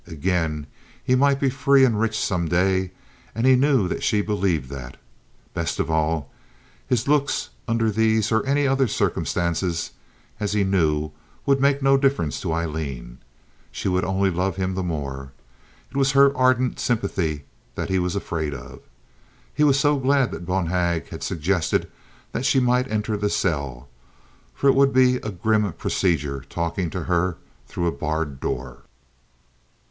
Again, he might be free and rich some day, and he knew that she believed that. Best of all, his looks under these or any other circumstances, as he knew, would make no difference to Aileen. She would only love him the more. It was her ardent sympathy that he was afraid of. He was so glad that Bonhag had suggested that she might enter the cell, for it would be a grim procedure talking to her through a barred door.